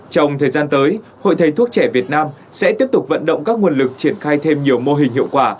trong thời gian tới hội thầy thuốc trẻ việt nam sẽ tiếp tục vận động các nguồn lực triển khai thêm nhiều mô hình hiệu quả